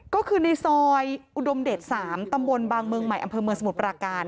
ก็คือในซอยอุดมเดช๓ตำบลบางเมืองใหม่อำเภอเมืองสมุทรปราการ